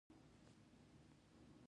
د کونړ باغونه ځنغوزي لري.